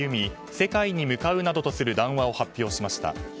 世界に向かうなどとする談話を発表しました。